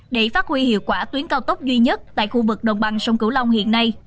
để phát huy hiệu quả tuyến cao tốc duy nhất tại khu vực đồng bằng sông cửu long hiện nay